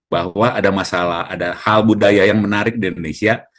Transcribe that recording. bahwa ada masalah ada hal budaya yang menarik di indonesia